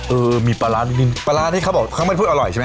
เออมีปลาร้านิดนึงปลาร้านี่เขาบอกเขาไม่พูดอร่อยใช่ไหม